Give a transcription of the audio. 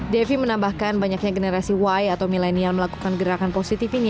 devi menambahkan banyaknya generasi y atau milenial melakukan gerakan positif ini